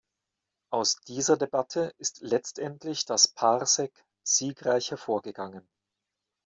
Aus dieser Debatte ist letztendlich das Parsec siegreich hervorgegangen.